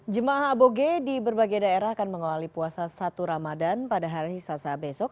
jemaah aboge di berbagai daerah akan mengawali puasa satu ramadan pada hari selasa besok